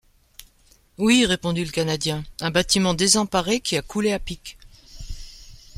Oui, répondit le Canadien, un bâtiment désemparé qui a coulé a pic !